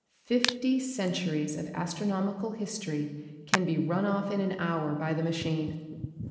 Fifty centuries of astronomical history can be run off in an hour by the machine.